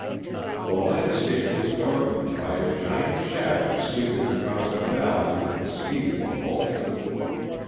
The landscape was darkened by a giant shadow sweeping across the valley with the speed of a vulture.